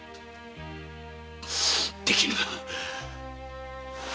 できぬ！